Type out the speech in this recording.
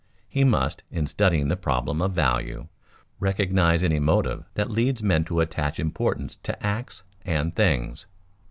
He must, in studying the problem of value, recognize any motive that leads men to attach importance to acts and things.